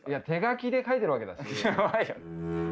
手書きで書いているわけだし。